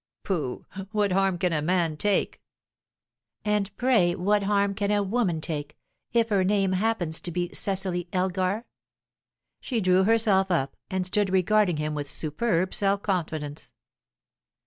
"Pooh! what harm can a man take?" "And pray what harm can a woman take, if her name happens to be Cecily Elgar?" She drew herself up, and stood regarding him with superb self confidence.